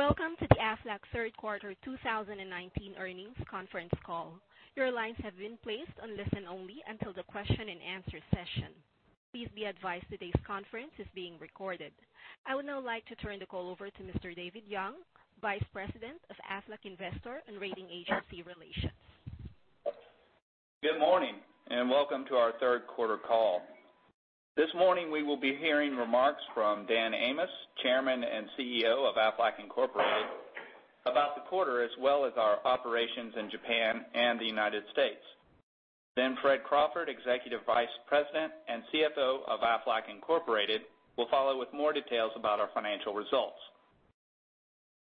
Welcome to the Aflac third quarter 2019 earnings conference call. Your lines have been placed on listen only until the question and answer session. Please be advised today's conference is being recorded. I would now like to turn the call over to Mr. David Young, Vice President of Aflac Investor and Rating Agency Relations. Good morning, welcome to our third quarter call. This morning, we will be hearing remarks from Dan Amos, Chairman and CEO of Aflac Incorporated, about the quarter as well as our operations in Japan and the U.S. Fred Crawford, Executive Vice President and CFO of Aflac Incorporated, will follow with more details about our financial results.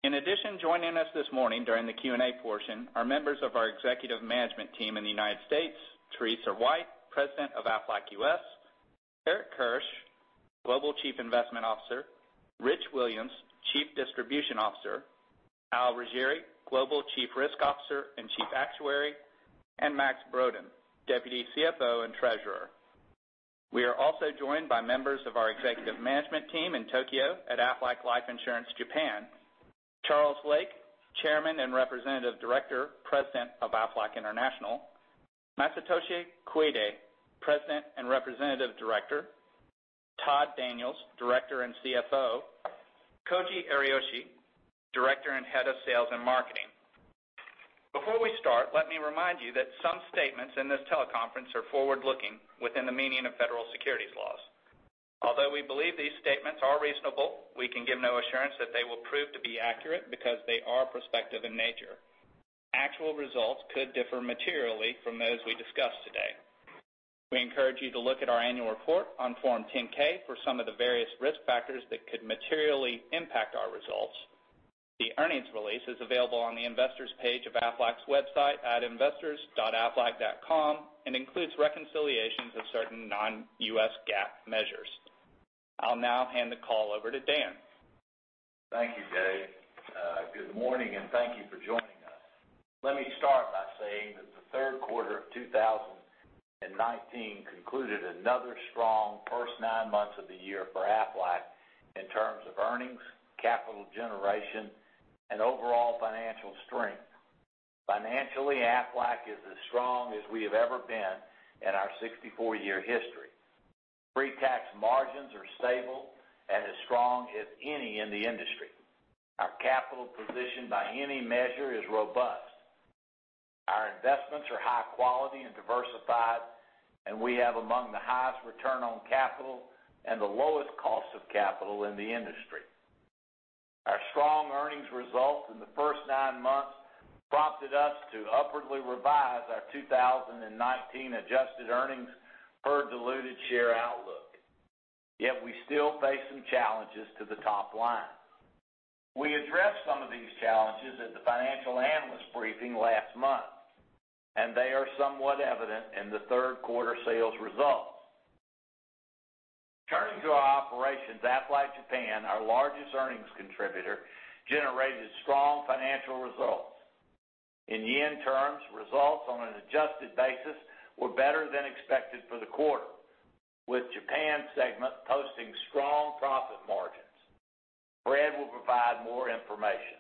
In addition, joining us this morning during the Q&A portion are members of our executive management team in the U.S., Teresa White, President of Aflac U.S., Eric Kirsch, Global Chief Investment Officer, Rich Williams, Chief Distribution Officer, Al Riggieri, Global Chief Risk Officer and Chief Actuary, and Max Brodén, Deputy CFO and Treasurer. We are also joined by members of our executive management team in Tokyo at Aflac Life Insurance Japan, Charles Lake, Chairman and Representative Director, President of Aflac International, Masatoshi Koide, President and Representative Director, Todd Daniels, Director and CFO, Koji Ariyoshi, Director and Head of Sales and Marketing. Before we start, let me remind you that some statements in this teleconference are forward-looking within the meaning of federal securities laws. Although we believe these statements are reasonable, we can give no assurance that they will prove to be accurate because they are prospective in nature. Actual results could differ materially from those we discuss today. We encourage you to look at our annual report on Form 10-K for some of the various risk factors that could materially impact our results. The earnings release is available on the investors page of aflac.com and includes reconciliations of certain non-U.S. GAAP measures. I'll now hand the call over to Dan. Thank you, Dave. Good morning, and thank you for joining us. Let me start by saying that the third quarter of 2019 concluded another strong first nine months of the year for Aflac in terms of earnings, capital generation, and overall financial strength. Financially, Aflac is as strong as we have ever been in our 64-year history. Pre-tax margins are stable and as strong as any in the industry. Our capital position by any measure is robust. Our investments are high quality and diversified, and we have among the highest return on capital and the lowest cost of capital in the industry. Our strong earnings results in the first nine months prompted us to upwardly revise our 2019 adjusted earnings per diluted share outlook. Yet we still face some challenges to the top line. We addressed some of these challenges at the financial analyst briefing last month, and they are somewhat evident in the third quarter sales results. Turning to our operations, Aflac Japan, our largest earnings contributor, generated strong financial results. In JPY terms, results on an adjusted basis were better than expected for the quarter, with Japan segment posting strong profit margins. Fred will provide more information.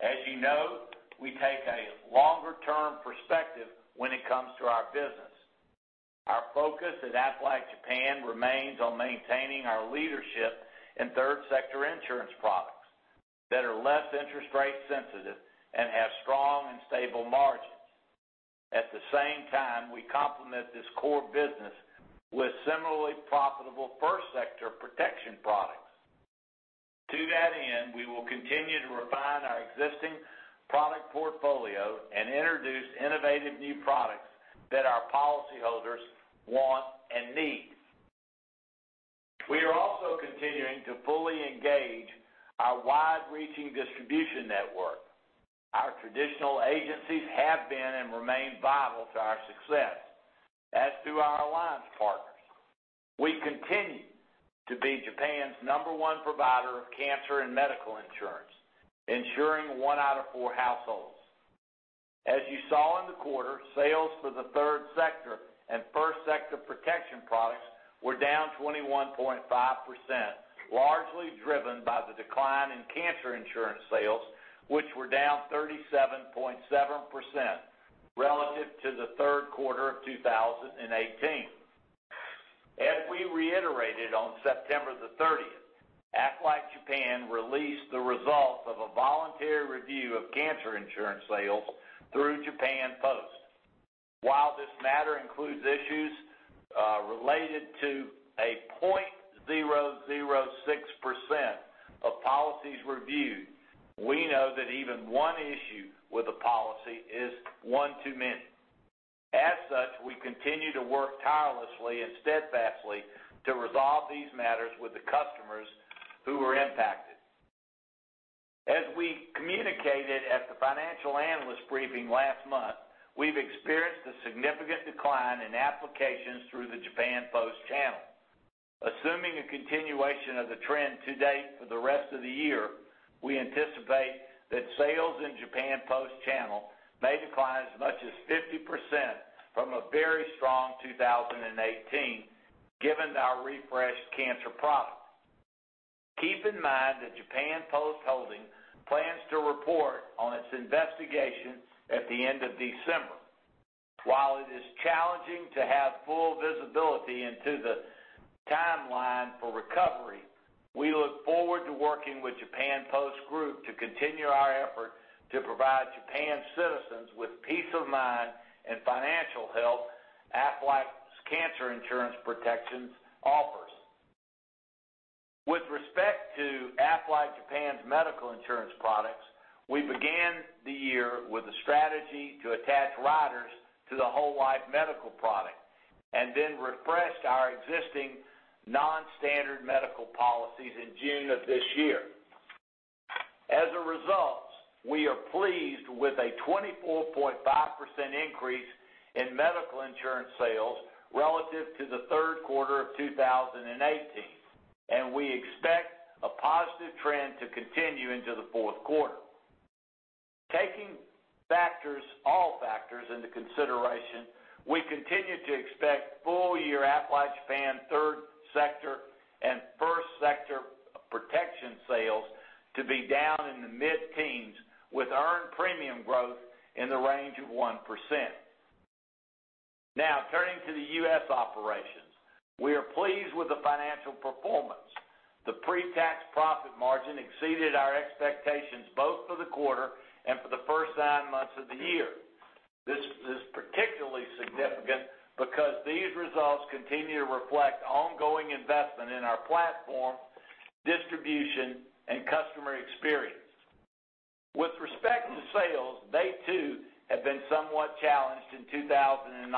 As you know, we take a longer-term perspective when it comes to our business. Our focus at Aflac Japan remains on maintaining our leadership in third sector insurance products that are less interest rate sensitive and have strong and stable margins. At the same time, we complement this core business with similarly profitable first sector protection products. To that end, we will continue to refine our existing product portfolio and introduce innovative new products that our policyholders want and need. We are also continuing to fully engage our wide-reaching distribution network. Our traditional agencies have been and remain vital to our success. As do our alliance partners. We continue to be Japan's number one provider of cancer and medical insurance, insuring one out of four households. As you saw in the quarter, sales for the third sector and first sector protection products were down 21.5%, largely driven by the decline in cancer insurance sales, which were down 37.7% relative to the third quarter of 2018. As we reiterated on September 30th, Aflac Japan released the results of a voluntary review of cancer insurance sales through Japan Post. While this matter includes issues related to a 0.006% of policies reviewed, we know that even one issue with a policy is one too many. As such, we continue to work tirelessly and steadfastly to resolve these matters with the customers who were impacted. As we communicated at the financial analyst briefing last month, we have experienced a significant decline in applications through the Japan Post channel. Assuming a continuation of the trend to date for the rest of the year, we anticipate that sales in Japan Post channel may decline as much as 50% from a very strong 2018. Given our refreshed cancer product. Keep in mind that Japan Post Holdings plans to report on its investigation at the end of December. While it is challenging to have full visibility into the timeline for recovery, we look forward to working with Japan Post Group to continue our effort to provide Japan's citizens with peace of mind and financial health, Aflac's cancer insurance protections offers. With respect to Aflac Japan's medical insurance products, we began the year with a strategy to attach riders to the whole life medical product, and then refreshed our existing non-standard medical policies in June of this year. As a result, we are pleased with a 24.5% increase in medical insurance sales relative to the third quarter of 2018, and we expect a positive trend to continue into the fourth quarter. Taking all factors into consideration, we continue to expect full year Aflac Japan third sector and first sector protection sales to be down in the mid-teens, with earned premium growth in the range of 1%. Turning to the U.S. operations. We are pleased with the financial performance. The pre-tax profit margin exceeded our expectations, both for the quarter and for the first nine months of the year. This is particularly significant because these results continue to reflect ongoing investment in our platform, distribution, and customer experience. With respect to sales, they too have been somewhat challenged in 2019,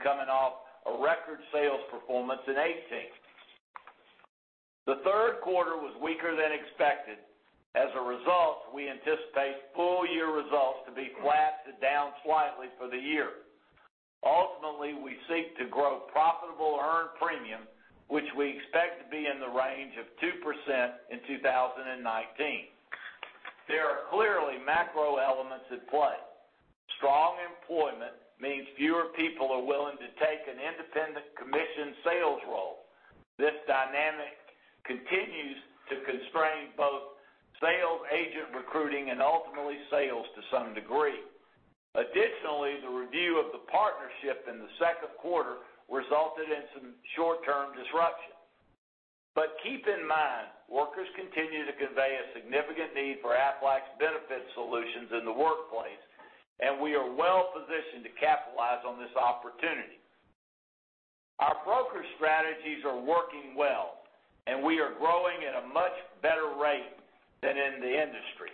coming off a record sales performance in 2018. The third quarter was weaker than expected. As a result, we anticipate full year results to be flat to down slightly for the year. Ultimately, we seek to grow profitable earned premium, which we expect to be in the range of 2% in 2019. There are clearly macro elements at play. Strong employment means fewer people are willing to take an independent commissioned sales role. This dynamic continues to constrain both sales agent recruiting and ultimately sales to some degree. Additionally, the review of the partnership in the second quarter resulted in some short-term disruption. Keep in mind, workers continue to convey a significant need for Aflac's benefit solutions in the workplace, and we are well-positioned to capitalize on this opportunity. Our broker strategies are working well, and we are growing at a much better rate than in the industry.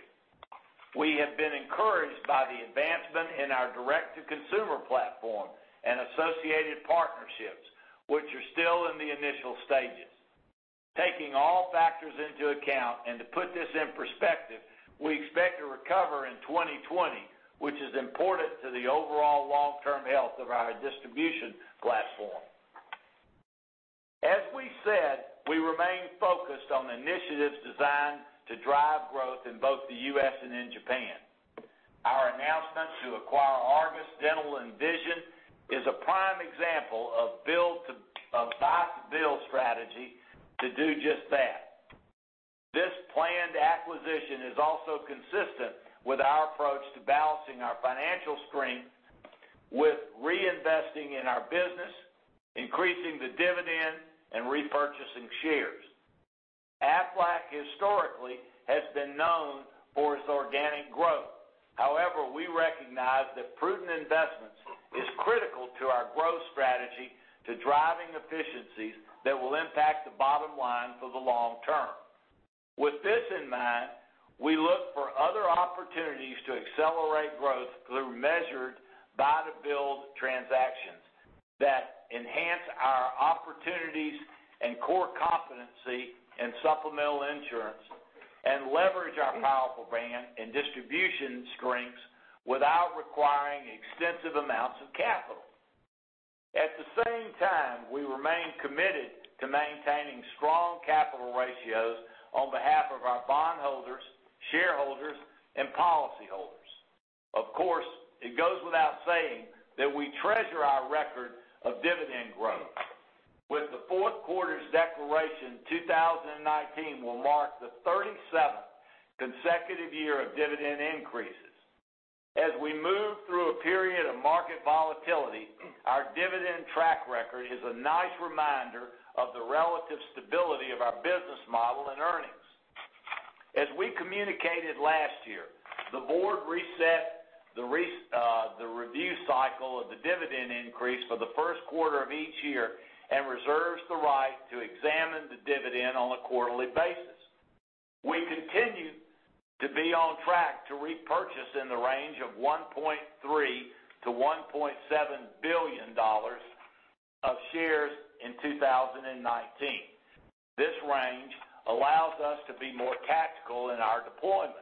We have been encouraged by the advancement in our direct-to-consumer platform and associated partnerships, which are still in the initial stages. Taking all factors into account, and to put this in perspective, we expect to recover in 2020, which is important to the overall long-term health of our distribution platform. As we said, we remain focused on initiatives designed to drive growth in both the U.S. and in Japan. Our announcement to acquire Argus Dental & Vision is a prime example of buy to build strategy to do just that. This planned acquisition is also consistent with our approach to balancing our financial strength with reinvesting in our business, increasing the dividend, and repurchasing shares. Aflac historically has been known for its organic growth. However, we recognize that prudent investments is critical to our growth strategy to driving efficiencies that will impact the bottom line for the long term. With this in mind, we look for other opportunities to accelerate growth through measured buy to build transactions that enhance our opportunities and core competency in supplemental insurance, and leverage our powerful brand and distribution strengths without requiring extensive amounts of capital. At the same time, we remain committed to maintaining strong capital ratios on behalf of our bondholders, shareholders, and policyholders. Of course, it goes without saying that we treasure our record of dividend growth. With the fourth quarter's declaration, 2019 will mark the 37th consecutive year of dividend increases. As we move through a period of market volatility, our dividend track record is a nice reminder of the relative stability of our business model and earnings. As we communicated last year, the board reset the review cycle of the dividend increase for the first quarter of each year and reserves the right to examine the dividend on a quarterly basis. We continue to be on track to repurchase in the range of $1.3 billion-$1.7 billion of shares in 2019. This range allows us to be more tactical in our deployment.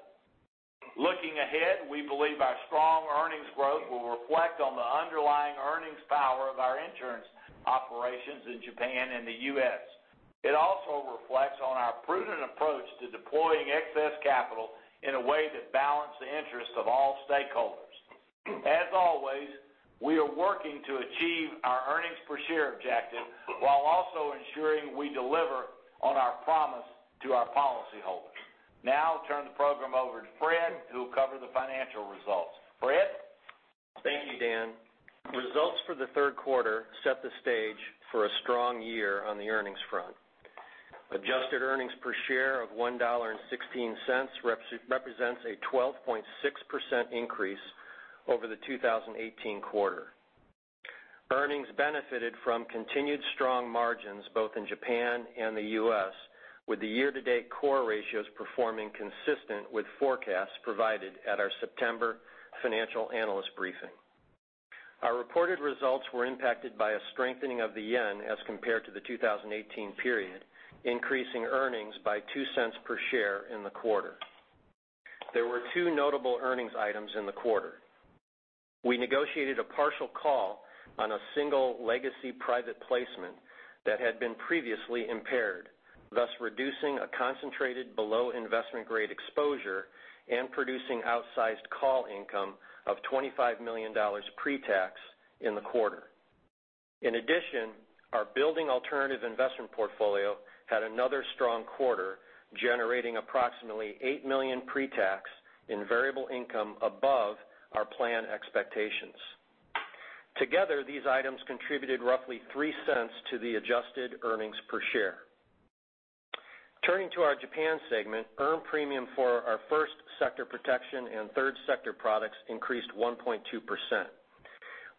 Looking ahead, we believe our strong earnings growth will reflect on the underlying earnings power of our insurance operations in Japan and the U.S. It also reflects on our prudent approach to deploying excess capital in a way that balance the interest of all stakeholders. As always, we are working to achieve our earnings per share objective while also ensuring we deliver on our promise to our policyholders. Now I'll turn the program over to Fred, who will cover the financial results. Fred? Thank you, Dan. Results for the third quarter set the stage for a strong year on the earnings front. Adjusted earnings per share of $1.16 represents a 12.6% increase over the 2018 quarter. Earnings benefited from continued strong margins both in Japan and the U.S., with the year-to-date core ratios performing consistent with forecasts provided at our September financial analyst briefing. Our reported results were impacted by a strengthening of the yen as compared to the 2018 period, increasing earnings by $0.02 per share in the quarter. There were two notable earnings items in the quarter. We negotiated a partial call on a single legacy private placement that had been previously impaired, thus reducing a concentrated below investment-grade exposure and producing outsized call income of $25 million pre-tax in the quarter. In addition, our building alternative investment portfolio had another strong quarter, generating approximately $8 million pre-tax in variable income above our plan expectations. Together, these items contributed roughly $0.03 to the adjusted earnings per share. Turning to our Japan segment, earned premium for our first sector protection and third sector products increased 1.2%.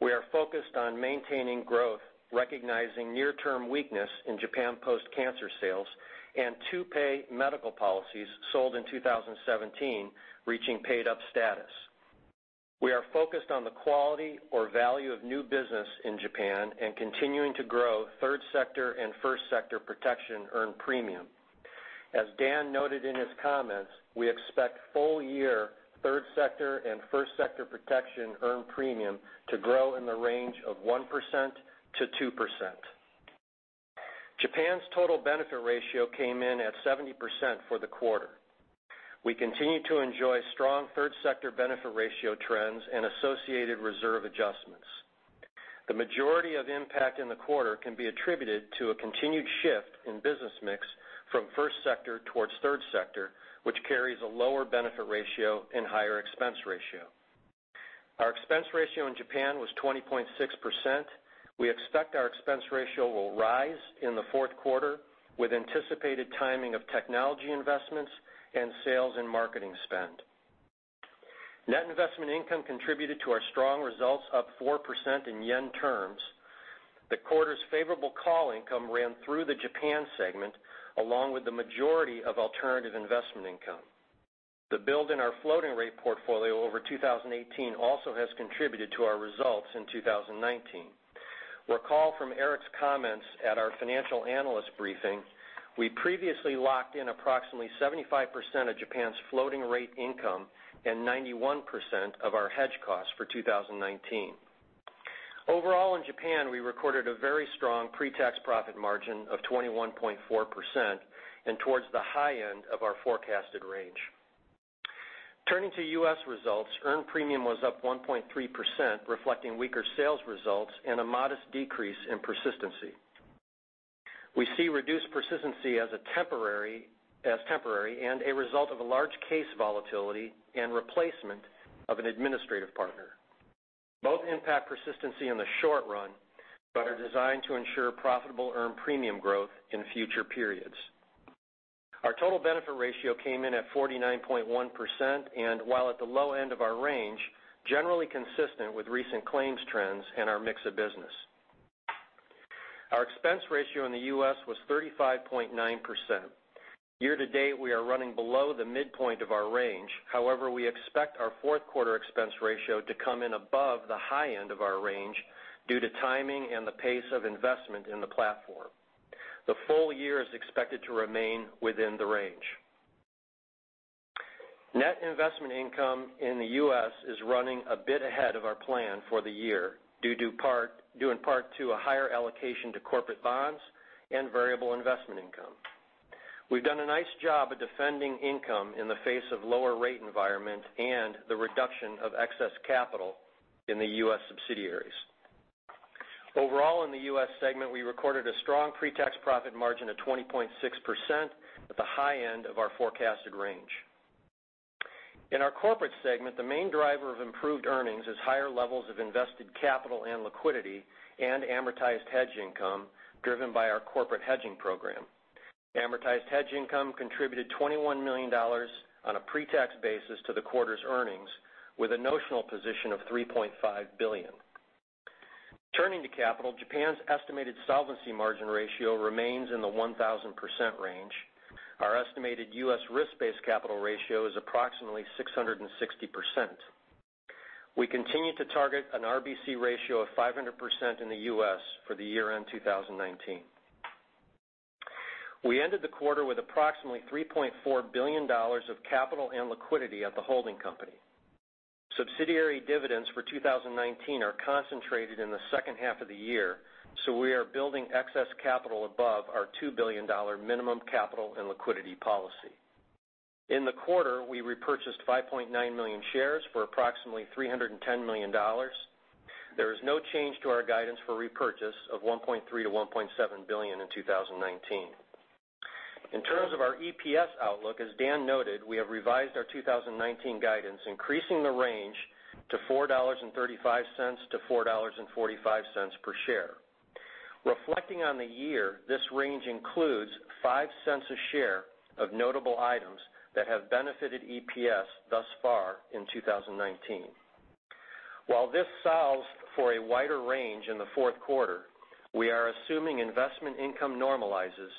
We are focused on maintaining growth, recognizing near-term weakness in Japan Post cancer sales and paid-up medical policies sold in 2017 reaching paid-up status. We are focused on the quality or value of new business in Japan and continuing to grow third sector and first sector protection earned premium. As Dan noted in his comments, we expect full-year third sector and first sector protection earned premium to grow in the range of 1%-2%. Japan's total benefit ratio came in at 70% for the quarter. We continue to enjoy strong third sector benefit ratio trends and associated reserve adjustments. The majority of impact in the quarter can be attributed to a continued shift in business mix from first sector towards third sector, which carries a lower benefit ratio and higher expense ratio. Our expense ratio in Japan was 20.6%. We expect our expense ratio will rise in the fourth quarter with anticipated timing of technology investments and sales and marketing spend. Net investment income contributed to our strong results, up 4% in yen terms. The quarter's favorable call income ran through the Japan segment, along with the majority of alternative investment income. The build in our floating rate portfolio over 2018 also has contributed to our results in 2019. Recall from Eric's comments at our financial analyst briefing, we previously locked in approximately 75% of Japan's floating rate income and 91% of our hedge costs for 2019. Overall, in Japan, we recorded a very strong pre-tax profit margin of 21.4% and towards the high end of our forecasted range. Turning to U.S. results, earned premium was up 1.3%, reflecting weaker sales results and a modest decrease in persistency. We see reduced persistency as temporary and a result of a large case volatility and replacement of an administrative partner. Both impact persistency in the short run, but are designed to ensure profitable earned premium growth in future periods. Our total benefit ratio came in at 49.1% and, while at the low end of our range, generally consistent with recent claims trends and our mix of business. Our expense ratio in the U.S. was 35.9%. Year-to-date, we are running below the midpoint of our range. However, we expect our fourth quarter expense ratio to come in above the high end of our range due to timing and the pace of investment in the platform. The full year is expected to remain within the range. Net investment income in the U.S. is running a bit ahead of our plan for the year, due in part to a higher allocation to corporate bonds and variable investment income. We've done a nice job of defending income in the face of lower rate environments and the reduction of excess capital in the U.S. subsidiaries. Overall, in the U.S. segment, we recorded a strong pre-tax profit margin of 20.6% at the high end of our forecasted range. In our corporate segment, the main driver of improved earnings is higher levels of invested capital and liquidity and amortized hedge income driven by our corporate hedging program. Amortized hedge income contributed $21 million on a pre-tax basis to the quarter's earnings with a notional position of $3.5 billion. Turning to capital, Japan's estimated solvency margin ratio remains in the 1,000% range. Our estimated U.S. risk-based capital ratio is approximately 660%. We continue to target an RBC ratio of 500% in the U.S. for the year-end 2019. We ended the quarter with approximately $3.4 billion of capital and liquidity at the holding company. Subsidiary dividends for 2019 are concentrated in the second half of the year, so we are building excess capital above our $2 billion minimum capital and liquidity policy. In the quarter, we repurchased 5.9 million shares for approximately $310 million. There is no change to our guidance for repurchase of $1.3 billion-$1.7 billion in 2019. In terms of our EPS outlook, as Dan noted, we have revised our 2019 guidance, increasing the range to $4.35-$4.45 per share. Reflecting on the year, this range includes $0.05 a share of notable items that have benefited EPS thus far in 2019. While this solves for a wider range in the fourth quarter, we are assuming investment income normalizes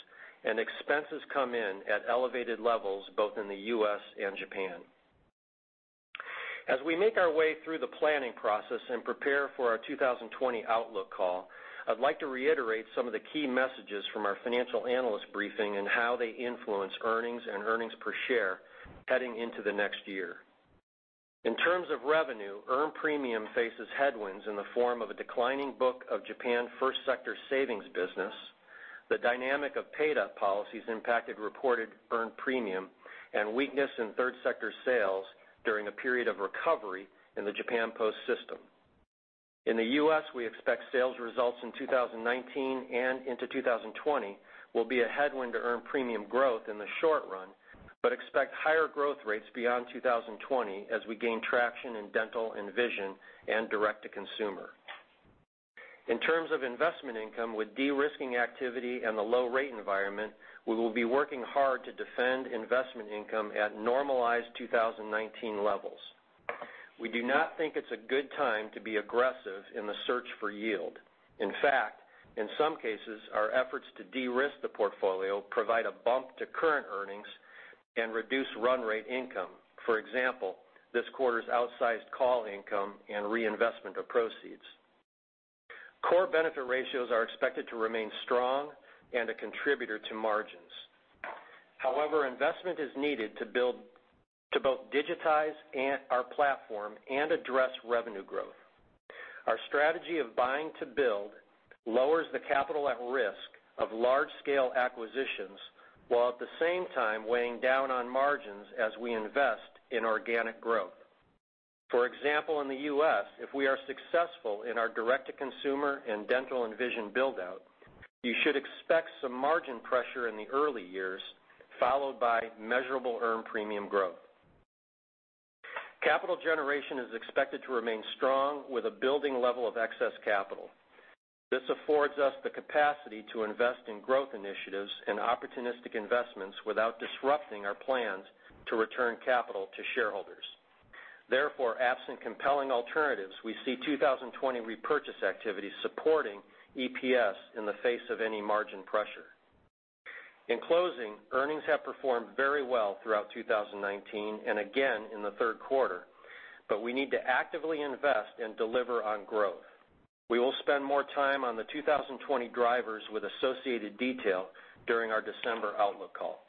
and expenses come in at elevated levels both in the U.S. and Japan. As we make our way through the planning process and prepare for our 2020 outlook call, I'd like to reiterate some of the key messages from our financial analyst briefing and how they influence earnings and earnings per share heading into the next year. In terms of revenue, earned premium faces headwinds in the form of a declining book of Japan first sector savings business, the dynamic of paid-up policies impacted reported earned premium, and weakness in third sector sales during a period of recovery in the Japan Post system. In the U.S., we expect sales results in 2019 and into 2020 will be a headwind to earned premium growth in the short run, but expect higher growth rates beyond 2020 as we gain traction in dental and vision and direct-to-consumer. In terms of investment income, with de-risking activity and the low rate environment, we will be working hard to defend investment income at normalized 2019 levels. We do not think it's a good time to be aggressive in the search for yield. In fact, in some cases, our efforts to de-risk the portfolio provide a bump to current earnings and reduce run rate income. For example, this quarter's outsized call income and reinvestment of proceeds. Core benefit ratios are expected to remain strong and a contributor to margins. However, investment is needed to both digitize our platform and address revenue growth. Our strategy of buy to build lowers the capital at risk of large-scale acquisitions, while at the same time weighing down on margins as we invest in organic growth. For example, in the U.S., if we are successful in our direct-to-consumer and dental and vision build-out, you should expect some margin pressure in the early years, followed by measurable earned premium growth. Capital generation is expected to remain strong with a building level of excess capital. This affords us the capacity to invest in growth initiatives and opportunistic investments without disrupting our plans to return capital to shareholders. Therefore, absent compelling alternatives, we see 2020 repurchase activity supporting EPS in the face of any margin pressure. In closing, earnings have performed very well throughout 2019 and again in the third quarter, but we need to actively invest and deliver on growth. We will spend more time on the 2020 drivers with associated detail during our December outlook call.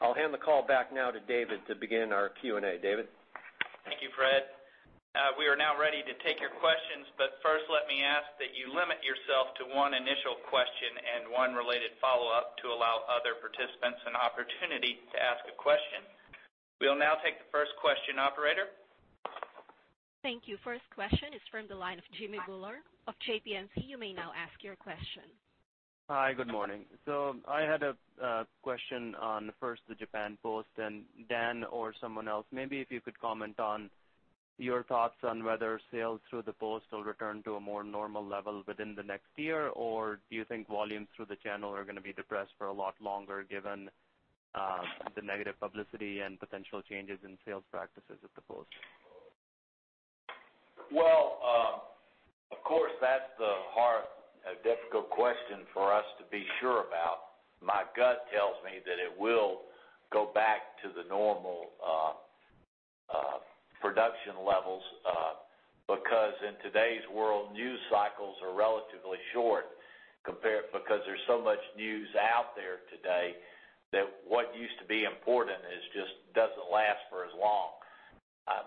I'll hand the call back now to David to begin our Q&A. David? Thank you, Fred. We are now ready to take your questions, but first let me ask that you limit yourself to one initial question and one related follow-up to allow other participants an opportunity to ask a question. We'll now take the first question, Operator. Thank you. First question is from the line of Jimmy Bhullar of JPMorgan. You may now ask your question. Hi, good morning. I had a question on first the Japan Post, Dan or someone else, maybe if you could comment on your thoughts on whether sales through the Post will return to a more normal level within the next year, or do you think volumes through the channel are going to be depressed for a lot longer given the negative publicity and potential changes in sales practices at the Post? Of course, that's the hard, difficult question for us to be sure about. My gut tells me that it will go back to the normal production levels. In today's world, news cycles are relatively short because there's so much news out there today that what used to be important just doesn't last for as long.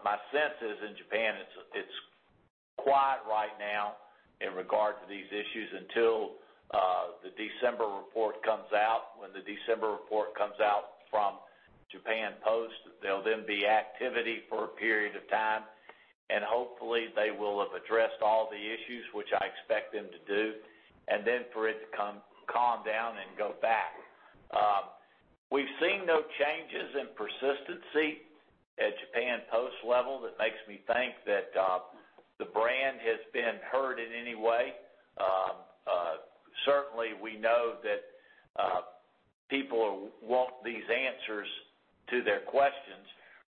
My sense is in Japan, it's quiet right now in regard to these issues until the December report comes out. When the December report comes out from Japan Post, there'll then be activity for a period of time. Hopefully they will have addressed all the issues, which I expect them to do, then for it to calm down and go back. We've seen no changes in persistency at Japan Post level that makes me think that the brand has been hurt in any way. Certainly, we know that people want these answers to their questions,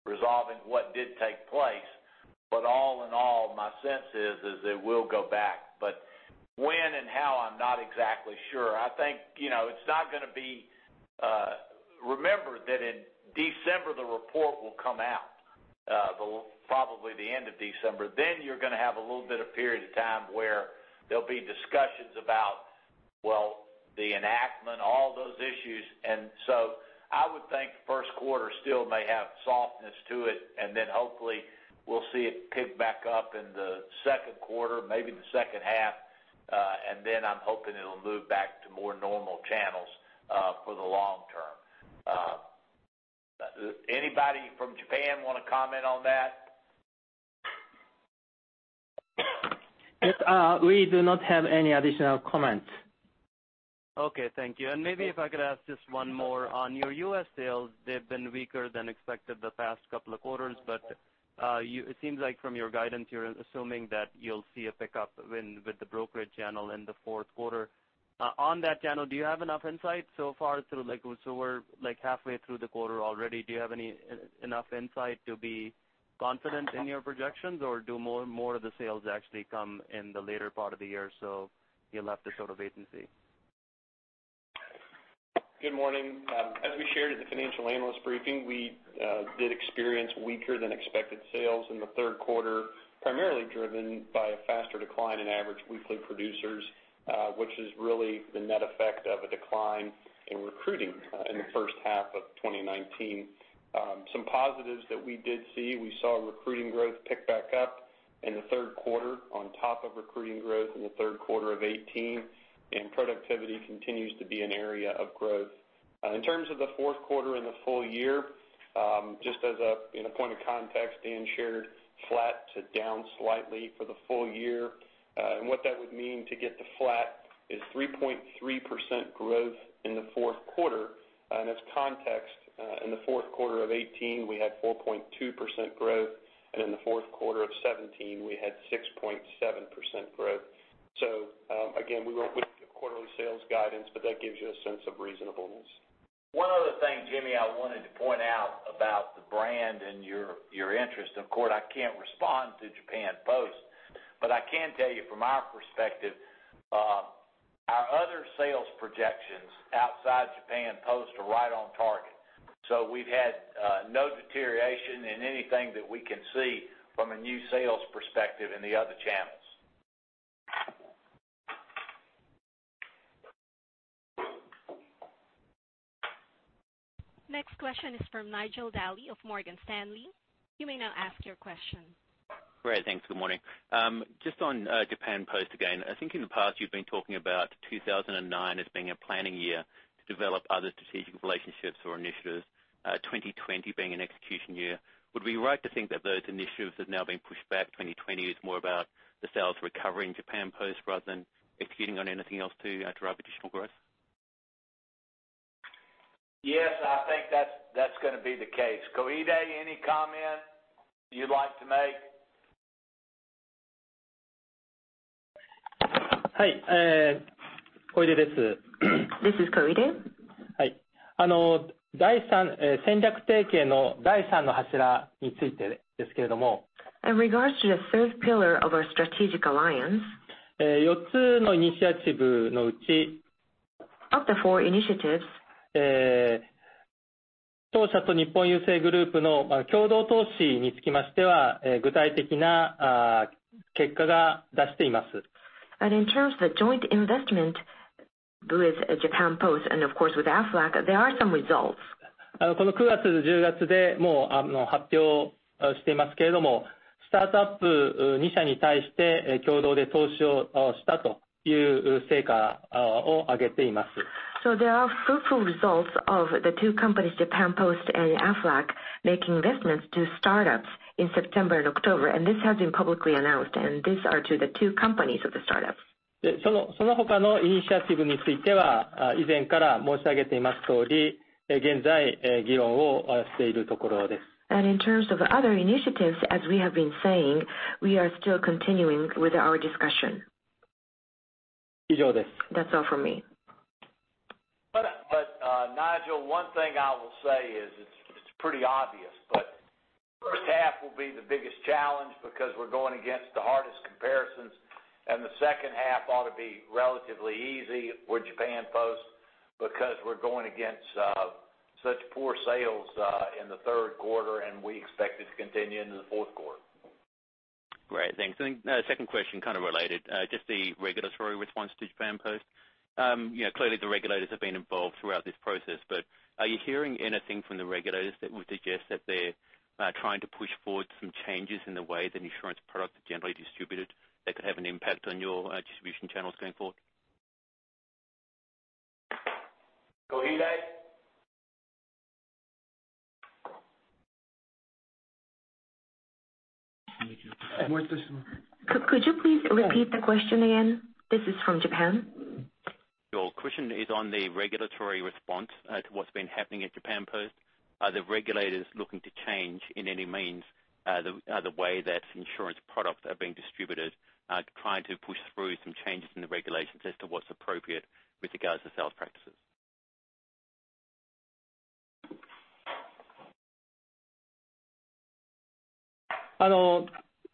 resolving what did take place. All in all, my sense is, it will go back. When and how, I'm not exactly sure. Remember that in December, the report will come out, probably the end of December. You're going to have a little bit of period of time where there'll be discussions about the enactment, all those issues, I would think first quarter still may have softness to it, then hopefully we'll see it pick back up in the second quarter, maybe the second half. I'm hoping it'll move back to more normal channels for the long term. Anybody from Japan want to comment on that? Yes. We do not have any additional comments. Okay, thank you. Maybe if I could ask just one more on your U.S. sales. They've been weaker than expected the past couple of quarters, it seems like from your guidance, you're assuming that you'll see a pickup with the brokerage channel in the fourth quarter. On that channel, do you have enough insight so far? We're halfway through the quarter already. Do you have enough insight to be confident in your projections, or do more of the sales actually come in the later part of the year, so you're left a sort of agency? Good morning. As we shared at the financial analyst briefing, we did experience weaker than expected sales in the third quarter, primarily driven by a faster decline in average weekly producers, which is really the net effect of a decline in recruiting in the first half of 2019. Some positives that we did see, we saw recruiting growth pick back up in the third quarter on top of recruiting growth in the third quarter of 2018, and productivity continues to be an area of growth. In terms of the fourth quarter and the full year, just as a point of context, Dan shared flat to down slightly for the full year. What that would mean to get to flat is 3.3% growth in the fourth quarter. As context, in the fourth quarter of 2018, we had 4.2% growth, and in the fourth quarter of 2017, we had 6.7% growth. Again, we won't give quarterly sales guidance, but that gives you a sense of reasonableness. One other thing, Jimmy, I wanted to point out about the brand and your interest. Of course, I can't respond to Japan Post, but I can tell you from our perspective, our other sales projections outside Japan Post are right on target. We've had no deterioration in anything that we can see from a new sales perspective in the other channels. Next question is from Nigel Dally of Morgan Stanley. You may now ask your question. Great. Thanks. Good morning. Just on Japan Post again. I think in the past, you've been talking about 2009 as being a planning year to develop other strategic relationships or initiatives, 2020 being an execution year. Would we be right to think that those initiatives have now been pushed back, 2020 is more about the sales recovery in Japan Post rather than executing on anything else to drive additional growth? Yes, I think that's going to be the case. Koide, any comment you'd like to make? Hi. Koide desu. This is Koide. はい。戦略提携の第三の柱についてですけれども。In regards to the third pillar of our strategic alliance. 四つのイニシアティブのうち。Of the four initiatives. 当社と日本郵政グループの共同投資につきましては、具体的な結果を出しています。In terms of the joint investment with Japan Post and of course with Aflac, there are some results. この9月、10月でもう発表していますけれども、スタートアップ2社に対して共同で投資をしたという成果を上げています。There are fruitful results of the two companies, Japan Post and Aflac, making investments to startups in September and October. This has been publicly announced, and these are to the two companies of the startups. その他のイニシアティブについては、以前から申し上げていますとおり、現在議論をしているところです。In terms of other initiatives, as we have been saying, we are still continuing with our discussion. 以上です。That's all from me. Nigel, one thing I will say is it's pretty obvious, but first half will be the biggest challenge because we're going against the hardest comparisons, and the second half ought to be relatively easy with Japan Post because we're going against such poor sales in the third quarter, and we expect it to continue into the fourth quarter. Great, thanks. I think the second question kind of related, just the regulatory response to Japan Post. Clearly the regulators have been involved throughout this process, but are you hearing anything from the regulators that would suggest that they're trying to push forward some changes in the way that insurance products are generally distributed that could have an impact on your distribution channels going forward? Koide? Could you please repeat the question again? This is from Japan. Sure. Question is on the regulatory response to what's been happening at Japan Post. Are the regulators looking to change in any means the way that insurance products are being distributed, trying to push through some changes in the regulations as to what's appropriate with regards to sales practices?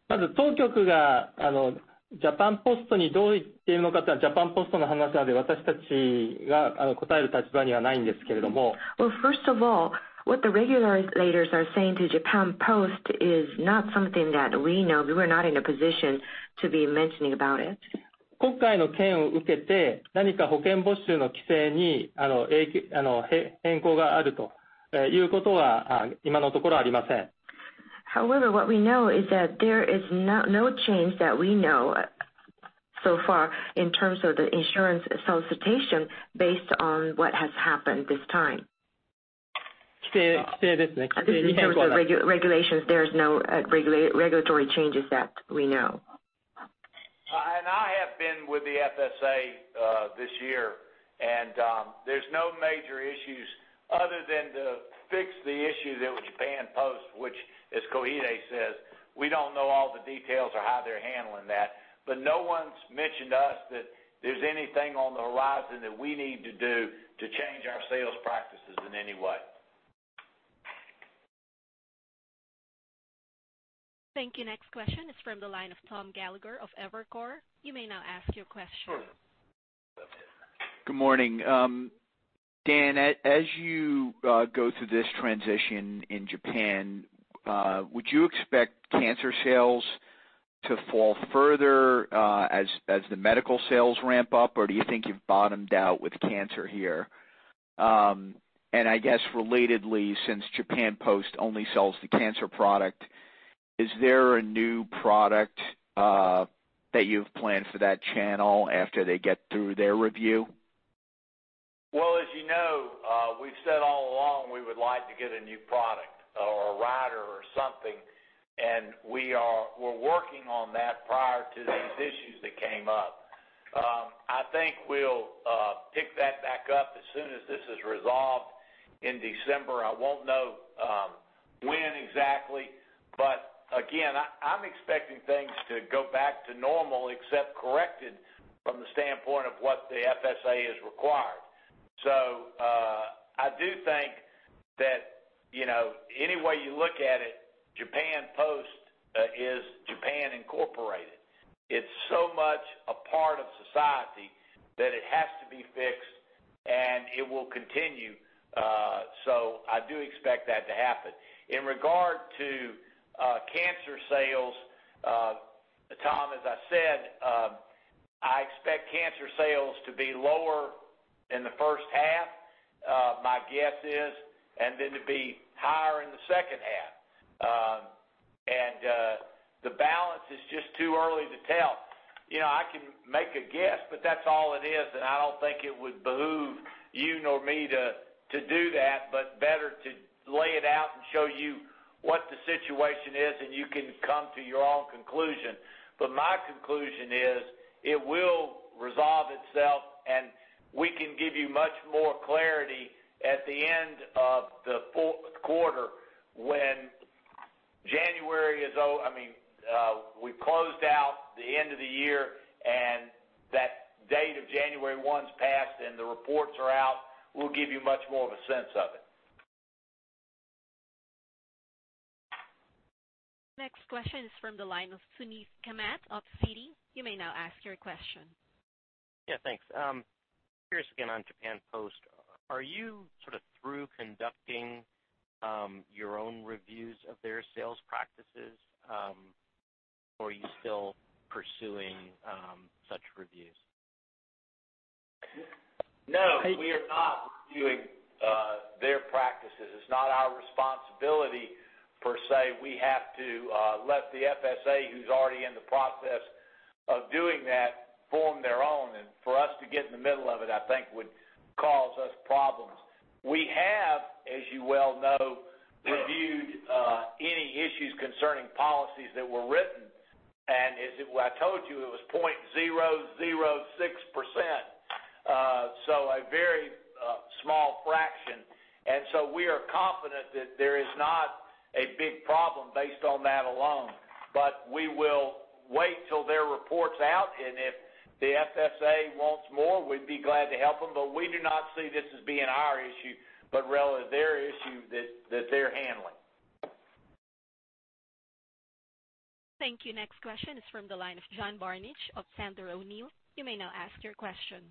まず当局がJapan Postにどう言っているのかはJapan Postの話なので、私たちがあの答える立場にはないんですけれども。Well, first of all, what the regulators are saying to Japan Post is not something that we know. We were not in a position to be mentioning about it. 今回の件を受けて、何か保険募集の規制に変更があるということは今のところありません。However, what we know is that there is no change that we know so far in terms of the insurance solicitation based on what has happened this time. In terms of the regulations, there is no regulatory changes that we know. I have been with the FSA this year, there's no major issues other than to fix the issue that with Japan Post, which as Koide says, we don't know all the details or how they're handling that. No one's mentioned to us that there's anything on the horizon that we need to do to change our sales practices in any way. Thank you. Next question is from the line of Tom Gallagher of Evercore. You may now ask your question. Good morning. Dan, as you go through this transition in Japan, would you expect cancer sales to fall further as the medical sales ramp up? Or do you think you've bottomed out with cancer here? I guess relatedly, since Japan Post only sells the cancer product, is there a new product that you've planned for that channel after they get through their review? Well, as you know, we've said all along we would like to get a new product or a rider or something, and we were working on that prior to these issues that came up. I think we'll pick that back up as soon as this is resolved in December. I won't know when exactly, but again, I'm expecting things to go back to normal except corrected from the standpoint of what the FSA has required. I do think that any way you look at it, Japan Post is Japan Incorporated. It's so much a part of society that it has to be fixed, and it will continue. I do expect that to happen. In regard to cancer sales, Tom, as I said, I expect cancer sales to be lower in the first half, my guess is, and then to be higher in the second half. The balance is just too early to tell. I can make a guess, but that's all it is, and I don't think it would behoove you nor me to do that, but better to lay it out and show you what the situation is, and you can come to your own conclusion. My conclusion is it will resolve itself, and we can give you much more clarity at the end of the fourth quarter when January is over, we've closed out the end of the year and that date of January 1's passed and the reports are out. We'll give you much more of a sense of it. Next question is from the line of Suneet Kamath of Citi. You may now ask your question. Yeah, thanks. Curious again on Japan Post. Are you sort of through conducting your own reviews of their sales practices? Are you still pursuing such reviews? No, we are not reviewing their practices. It's not our responsibility, per se. We have to let the FSA, who's already in the process of doing that, form their own. For us to get in the middle of it, I think would cause us problems. We have, as you well know, reviewed any issues concerning policies that were written, and as I told you, it was 0.006%. So a very small fraction. We are confident that there is not a big problem based on that alone. We will wait till their report's out, and if the FSA wants more, we'd be glad to help them. We do not see this as being our issue, but rather their issue that they're handling. Thank you. Next question is from the line of John Barnidge of Sandler O'Neill. You may now ask your question.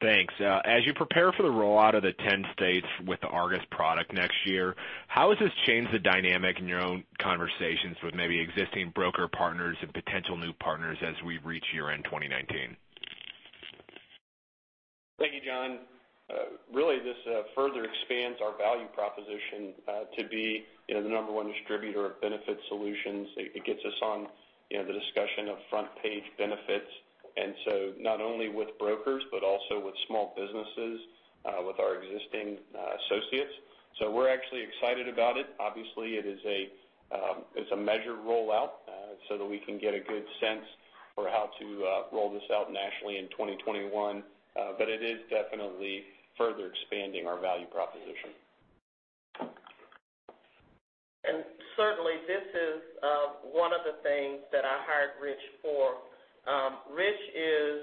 Thanks. As you prepare for the rollout of the 10 states with the Argus product next year, how has this changed the dynamic in your own conversations with maybe existing broker partners and potential new partners as we reach year-end 2019? Thank you, John. Really, this further expands our value proposition to be the number one distributor of benefit solutions. It gets us on the discussion of front-page benefits. Not only with brokers but also with small businesses, with our existing associates. We're actually excited about it. Obviously, it's a measured rollout so that we can get a good sense for how to roll this out nationally in 2021. It is definitely further expanding our value proposition. Certainly, this is one of the things that I hired Rich for. Rich is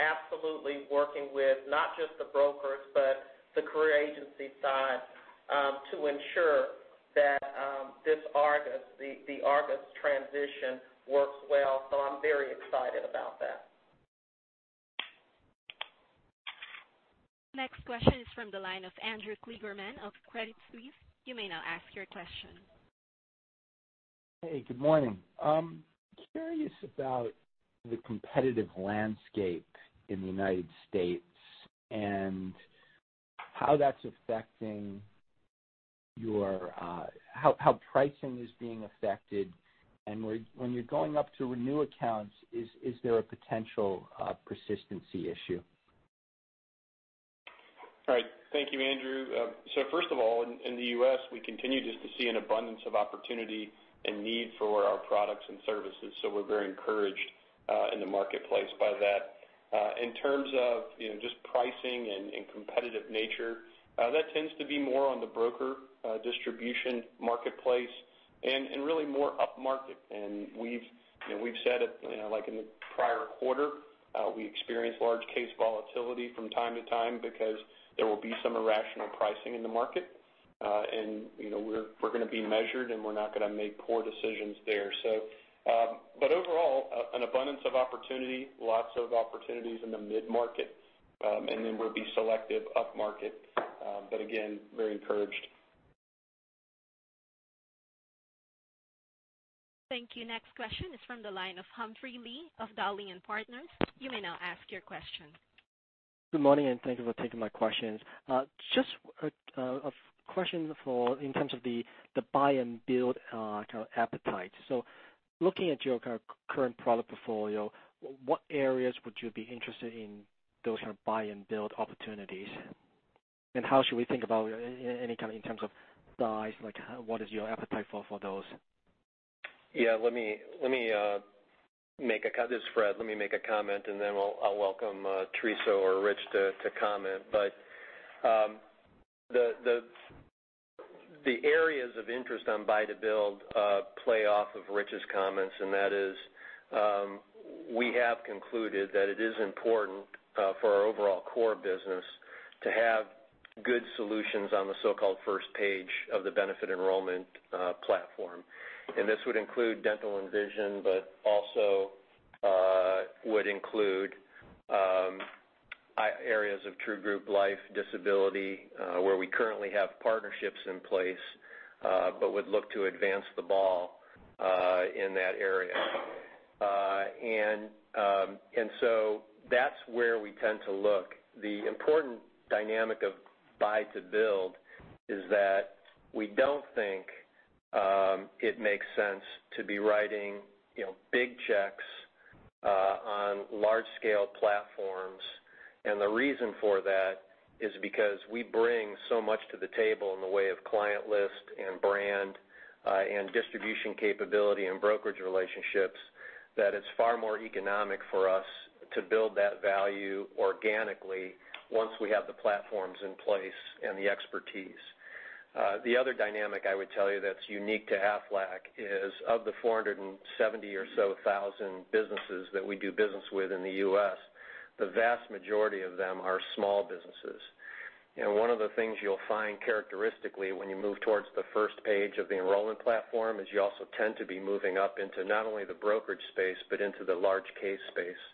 absolutely working with not just the brokers, but the career agency side, to ensure that the Argus transition works well. I'm very excited about that. Next question is from the line of Andrew Kligerman of Credit Suisse. You may now ask your question. Hey, good morning. I'm curious about the competitive landscape in the U.S. and how pricing is being affected, and when you're going up to renew accounts, is there a potential persistency issue? All right. Thank you, Andrew. First of all, in the U.S., we continue just to see an abundance of opportunity and need for our products and services. We're very encouraged in the marketplace by that. In terms of just pricing and competitive nature, that tends to be more on the broker distribution marketplace and really more upmarket. We've said it, like in the prior quarter, we experience large case volatility from time to time because there will be some irrational pricing in the market. We're going to be measured, and we're not going to make poor decisions there. Overall, an abundance of opportunity, lots of opportunities in the mid-market, and then we'll be selective upmarket. Again, very encouraged. Thank you. Next question is from the line of Humphrey Lee of Dowling & Partners. You may now ask your question. Good morning, and thank you for taking my questions. Just a question in terms of the buy to build kind of appetite. Looking at your kind of current product portfolio, what areas would you be interested in those kind of buy to build opportunities? How should we think about any kind of in terms of size, like what is your appetite for those? Yeah, this is Fred. Let me make a comment, then I'll welcome Teresa or Rich to comment. The areas of interest on buy to build play off of Rich's comments, and that is, we have concluded that it is important for our overall core business to have good solutions on the so-called first page of the benefit enrollment platform. This would include dental and vision, but also would include areas of true group life and disability, where we currently have partnerships in place, but would look to advance the ball in that area. That's where we tend to look. The important dynamic of buy to build is that we don't think it makes sense to be writing big checks on large-scale platforms. The reason for that is because we bring so much to the table in the way of client list and brand, and distribution capability, and brokerage relationships, that it's far more economic for us to build that value organically once we have the platforms in place and the expertise. The other dynamic I would tell you that's unique to Aflac is of the 470,000 or so businesses that we do business with in the U.S., the vast majority of them are small businesses. One of the things you'll find characteristically when you move towards the first page of the enrollment platform is you also tend to be moving up into not only the brokerage space, but into the large case space.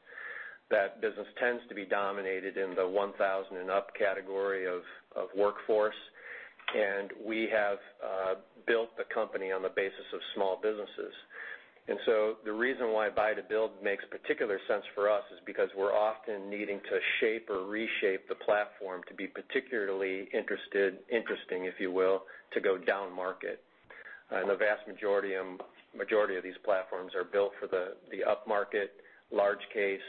That business tends to be dominated in the 1,000 and up category of workforce. We have built the company on the basis of small businesses. The reason why buy to build makes particular sense for us is because we're often needing to shape or reshape the platform to be particularly interesting, if you will, to go down market. The vast majority of these platforms are built for the upmarket large case,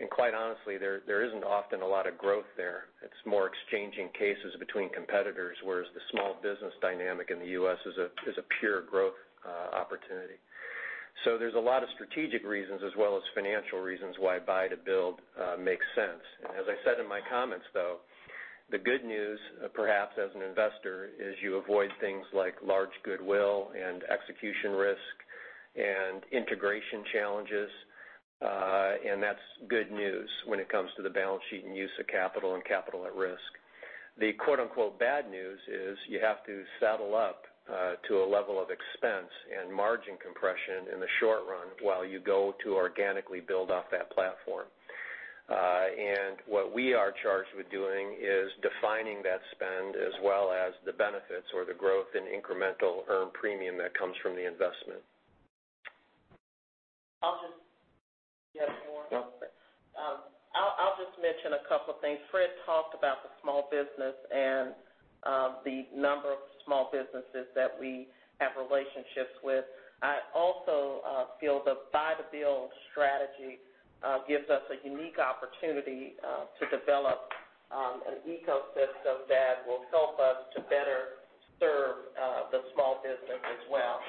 and quite honestly, there isn't often a lot of growth there. It's more exchanging cases between competitors, whereas the small business dynamic in the U.S. is a pure growth opportunity. There's a lot of strategic reasons as well as financial reasons why buy to build makes sense. As I said in my comments, though, the good news, perhaps as an investor, is you avoid things like large goodwill and execution risk and integration challenges. That's good news when it comes to the balance sheet and use of capital and capital at risk. The quote-unquote "bad news" is you have to saddle up to a level of expense and margin compression in the short run while you go to organically build off that platform. What we are charged with doing is defining that spend as well as the benefits or the growth in incremental earned premium that comes from the investment. I'll just mention a couple of things. Fred talked about the small business and the number of small businesses that we have relationships with. I also feel the buy to build strategy gives us a unique opportunity to develop an ecosystem that will help us to better serve the small business as well.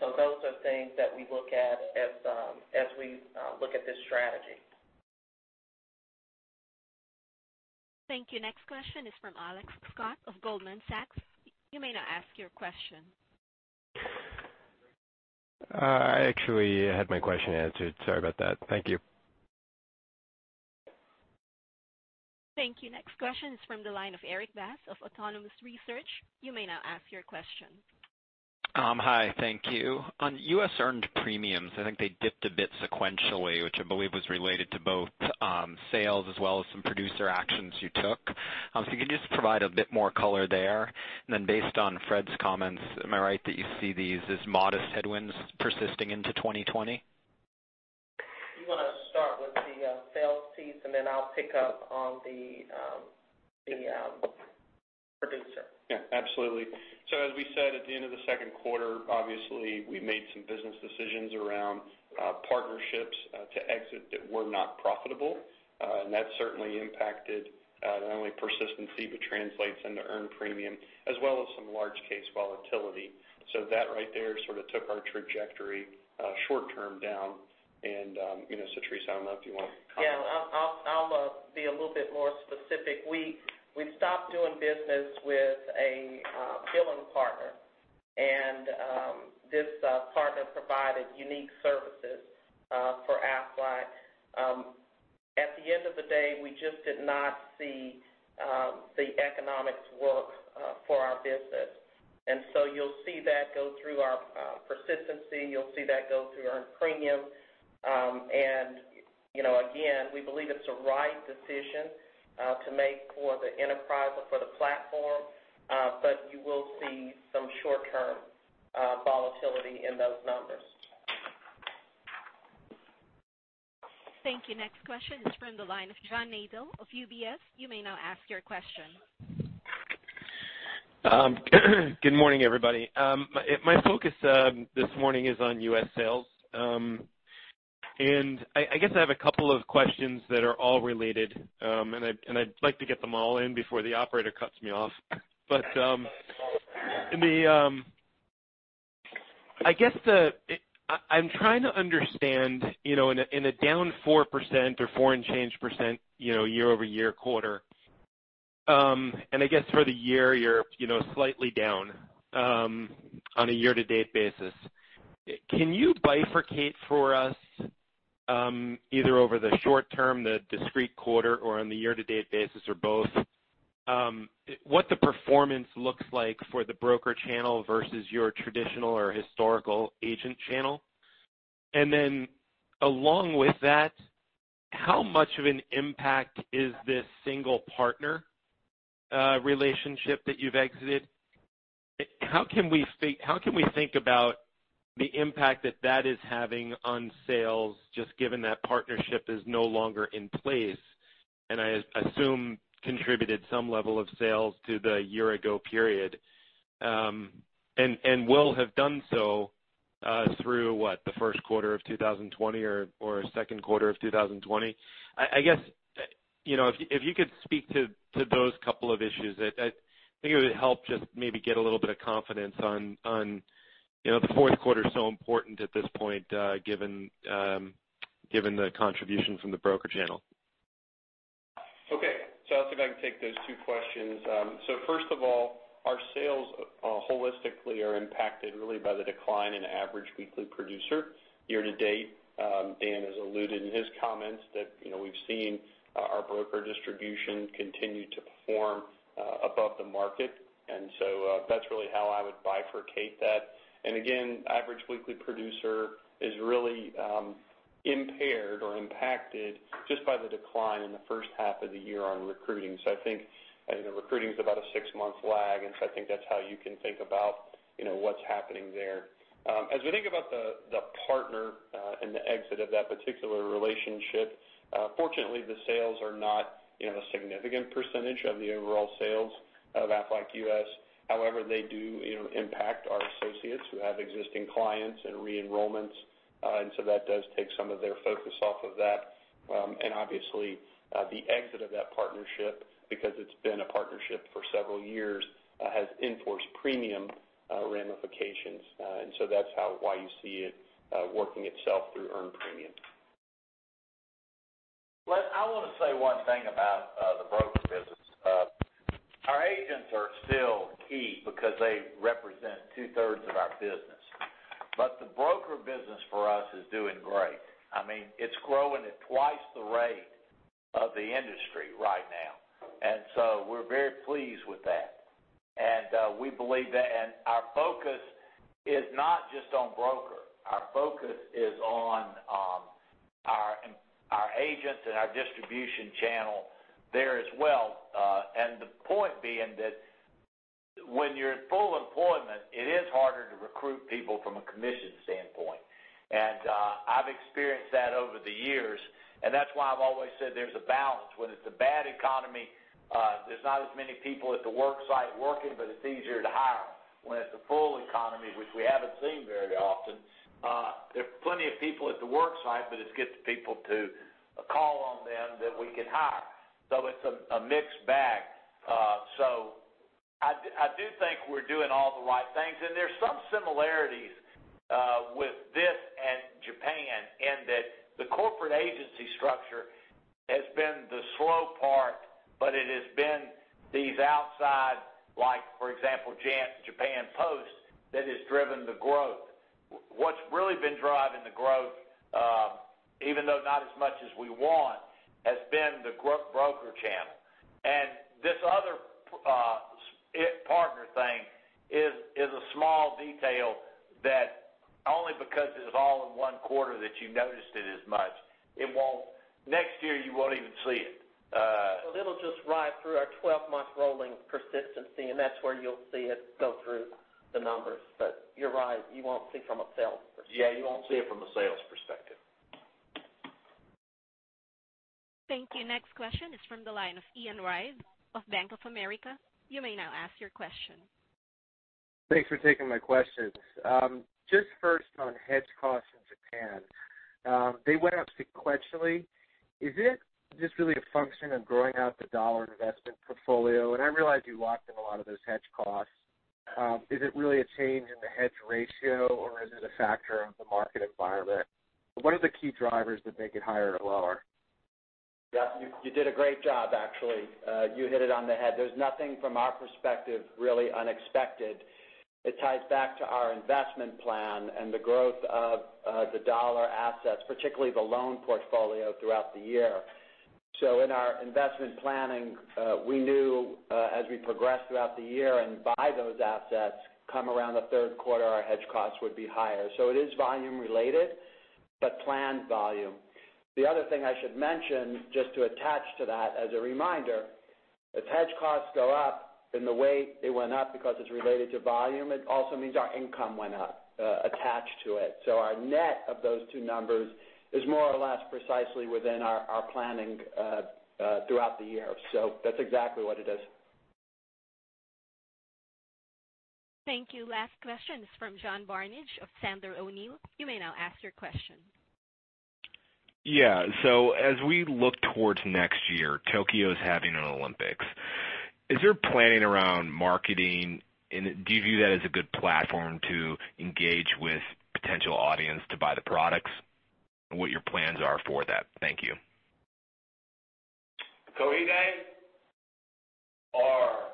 Those are things that we look at as we look at this strategy. Thank you. Next question is from Alex Scott of Goldman Sachs. You may now ask your question. I actually had my question answered. Sorry about that. Thank you. Thank you. Next question is from the line of Erik Bass of Autonomous Research. You may now ask your question. Hi. Thank you. On U.S. earned premiums, I think they dipped a bit sequentially, which I believe was related to both sales as well as some producer actions you took. Can you just provide a bit more color there? Based on Fred's comments, am I right that you see these as modest headwinds persisting into 2020? You want to start with the sales piece, and then I'll pick up on the producer. Yeah, absolutely. As we said at the end of the second quarter, obviously, we made some business decisions around partnerships to exit that were not profitable. That certainly impacted not only persistency, but translates into earned premium, as well as some large case volatility. That right there sort of took our trajectory short-term down. Teresa, I don't know if you want to comment. Yeah. I'll be a little bit more specific. We stopped doing business with a billing partner. This partner provided unique services for Aflac. At the end of the day, we just did not see the economics work for our business. You'll see that go through our persistency, you'll see that go through earned premium. Again, we believe it's the right decision to make for the enterprise or for the platform, but you will see some short-term volatility in those numbers. Thank you. Next question is from the line of John Nadel of UBS. You may now ask your question. Good morning, everybody. My focus this morning is on U.S. sales. I guess I have a couple of questions that are all related, and I'd like to get them all in before the operator cuts me off. I guess I'm trying to understand, in a down 4% or four and change percent, year-over-year quarter, and I guess for the year, you're slightly down on a year-to-date basis. Can you bifurcate for us, either over the short term, the discrete quarter, or on the year-to-date basis or both, what the performance looks like for the broker channel versus your traditional or historical agent channel? Along with that, how much of an impact is this single partner relationship that you've exited? How can we think about the impact that that is having on sales, just given that partnership is no longer in place, and I assume contributed some level of sales to the year ago period, and will have done so, through what, the first quarter of 2020 or second quarter of 2020? If you could speak to those couple of issues, I think it would help just maybe get a little bit of confidence on the fourth quarter so important at this point, given the contribution from the broker channel. Okay. I'll see if I can take those two questions. First of all, our sales holistically are impacted really by the decline in average weekly producer year-to-date. Dan has alluded in his comments that we've seen our broker distribution continue to perform above the market. That's really how I would bifurcate that. Again, average weekly producer is really impaired or impacted just by the decline in the first half of the year on recruiting. I think recruiting's about a 6-month lag, I think that's how you can think about what's happening there. We think about the partner, and the exit of that particular relationship, fortunately, the sales are not a significant percentage of the overall sales of Aflac U.S. However, they do impact our associates who have existing clients and re-enrollments. That does take some of their focus off of that. Obviously, the exit of that partnership, because it's been a partnership for several years, has in-force premium ramifications. That's why you see it working itself through earned premium. Les, I want to say one thing about the broker business. Our agents are still key because they represent two-thirds of our business. The broker business for us is doing great. I mean, it's growing at twice the rate of the industry right now. We're very pleased with that. Our focus is not just on broker. Our focus is on our agents and our distribution channel there as well. The point being that when you're at full employment, it is harder to recruit people from a commission standpoint. I've experienced that over the years, and that's why I've always said there's a balance. When it's a bad economy, there's not as many people at the work site working, but it's easier to hire. When it's a full economy, which we haven't seen very often, there are plenty of people at the work site, but it's getting people to call on them that we can hire. It's a mixed bag. I do think we're doing all the right things, and there's some similarities with this and Japan in that the corporate agency structure has been the slow part, but it has been these outside, like, for example, Japan Post, that has driven the growth. What's really been driving the growth, even though not as much as we want, has been the broker channel. This other partner thing is a small detail. It's all in one quarter that you noticed it as much. Next year you won't even see it. It'll just ride through our 12-month rolling persistency, and that's where you'll see it go through the numbers. You're right, you won't see it from a sales perspective. Yeah, you won't see it from a sales perspective. Thank you. Next question is from the line of Ian Ryse of Bank of America. You may now ask your question. Thanks for taking my questions. Just first on hedge costs in Japan. They went up sequentially. Is this just really a function of growing out the dollar investment portfolio? I realize you locked in a lot of those hedge costs. Is it really a change in the hedge ratio or is it a factor of the market environment? What are the key drivers that make it higher or lower? You did a great job, actually. You hit it on the head. There's nothing from our perspective really unexpected. It ties back to our investment plan and the growth of the dollar assets, particularly the loan portfolio throughout the year. In our investment planning, we knew as we progress throughout the year and buy those assets, come around the third quarter, our hedge costs would be higher. It is volume related, but planned volume. The other thing I should mention, just to attach to that as a reminder, as hedge costs go up in the way they went up because it's related to volume, it also means our income went up attached to it. Our net of those two numbers is more or less precisely within our planning throughout the year. That's exactly what it is. Thank you. Last question is from John Barnidge of Sandler O'Neill. You may now ask your question. As we look towards next year, Tokyo's having an Olympics. Is there planning around marketing, and do you view that as a good platform to engage with potential audience to buy the products, and what your plans are for that? Thank you. Koji maybe? Or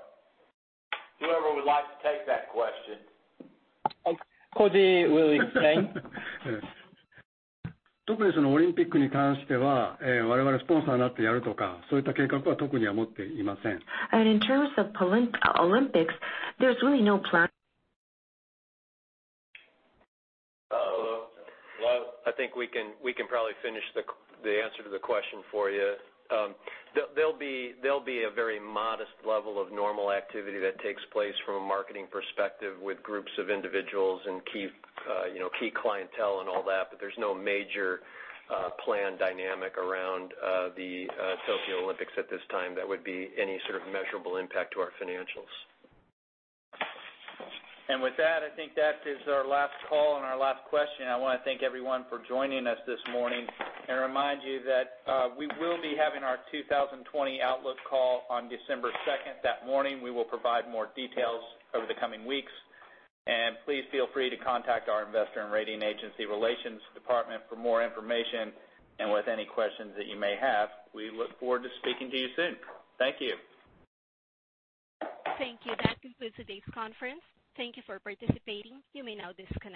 whoever would like to take that question. Koji will explain. In terms of Olympics, there's really no plan. Well, I think we can probably finish the answer to the question for you. There'll be a very modest level of normal activity that takes place from a marketing perspective with groups of individuals and key clientele and all that, but there's no major planned dynamic around the Tokyo 2020 at this time that would be any sort of measurable impact to our financials. With that, I think that is our last call and our last question. I want to thank everyone for joining us this morning and remind you that we will be having our 2020 outlook call on December 2 that morning. We will provide more details over the coming weeks. Please feel free to contact our Investor and Rating Agency Relations Department for more information and with any questions that you may have. We look forward to speaking to you soon. Thank you. Thank you. That concludes today's conference. Thank you for participating. You may now disconnect.